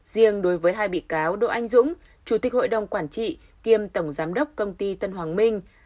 riêng đối với hai bị cáo đỗ anh dũng chủ tịch hội đồng quản trị kiêm tổng giám đốc công ty tân hoàng minh